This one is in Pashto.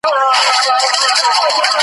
زه داسې نه وم خدای زده څه بلا وهلی یمه